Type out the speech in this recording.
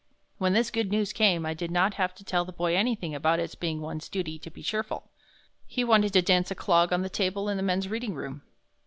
When this good news came I did not have to tell the boy anything about its being one's duty to be cheerful. He wanted to dance a clog on the table in the men's reading room.